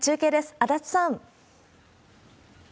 足立さん。